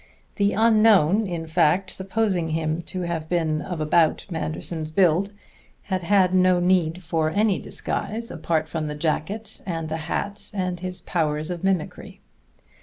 The unknown, in fact, supposing him to have been of about Manderson's build, had had no need for any disguise, apart from the jacket and the hat and his powers of mimicry.